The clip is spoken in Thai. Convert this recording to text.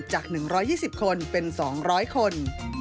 จาก๑๒๐คนเป็น๒๐๐คน